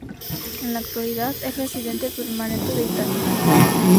En la actualidad es residente permanente de Italia.